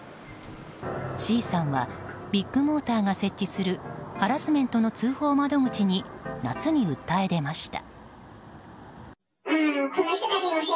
Ｃさんはビッグモーターが設置するハラスメントの通報窓口に夏に訴え出ました。